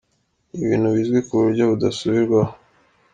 Ni ibintu bizwi ku buryo budasubirwaho.